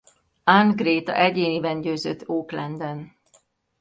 Arn Gréta egyéniben győzött Aucklandon.